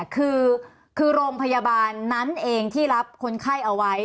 คือโรงพยาบาลนั้นเองที่รับคนไข้เอาไว้